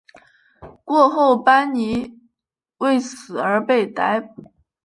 过后班尼为此而被逮捕。